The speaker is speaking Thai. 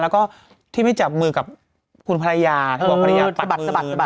แล้วก็ที่ไม่จับมือกับคุณพรยาบอกพรยาปัดมือ